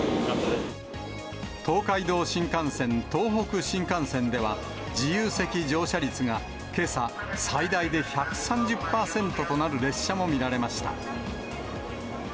東海道新幹線、東北新幹線では、自由席乗車率がけさ、最大で１３０％となる列車も見られました。